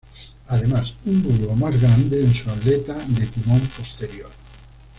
Además, un bulbo más grande en su aleta de timón posterior.